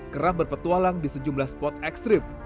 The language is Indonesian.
kerap berpetualang di sejumlah spot ekstrim